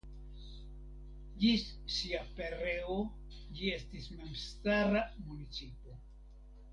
Ĝis sia pereo ĝi estis memstara municipo.